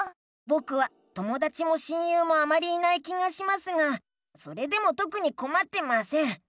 ぼくはともだちも親友もあまりいない気がしますがそれでもとくにこまってません。